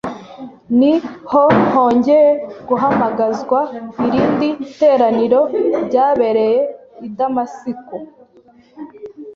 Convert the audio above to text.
ni ho hongeye guhamagazwa irindi teraniro ryabereye i Damasiko